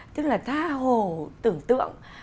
tức là tha hồ tưởng tượng